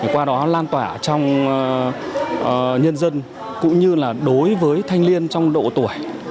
qua đó lan tỏa trong nhân dân cũng như là đối với thanh niên trong độ tuổi